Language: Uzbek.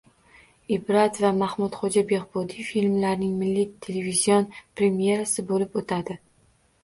“Ibrat” va “Mahmudxo‘ja Behbudiy” filmlarining milliy televizion premerasi bo‘lib o‘tadi